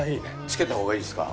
つけた方がいいですか？